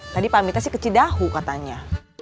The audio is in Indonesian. tadi pamitnya sih ke cidahu katanya